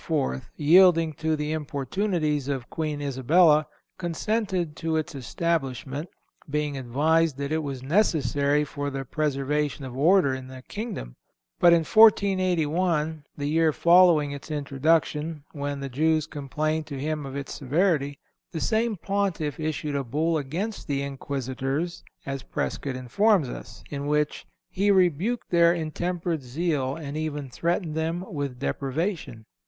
yielding to the importunities of Queen Isabella, consented to its establishment, being advised that it was necessary for the preservation of order in the kingdom; but in 1481, the year following its introduction, when the Jews complained to him of its severity, the same Pontiff issued a Bull against the Inquisitors, as Prescott informs us, in which "he rebuked their intemperate zeal and even threatened them with deprivation."